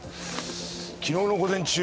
昨日の午前中